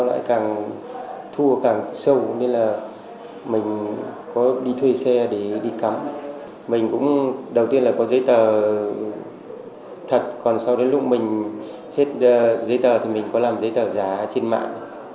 đi thuê xe để đi cắm mình cũng đầu tiên là có giấy tờ thật còn sau đó lúc mình hết giấy tờ thì mình có làm giấy tờ giá trên mạng